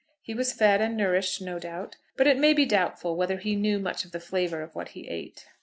He was fed and nourished, no doubt, but it may be doubtful whether he knew much of the flavour of what he ate.